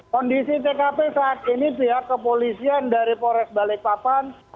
kondisi tkp saat ini pihak kepolisian dari polres balikpapan